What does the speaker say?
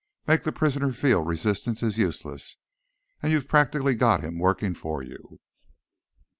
Make the prisoner feel resistance is useless, and you've practically got him working for you.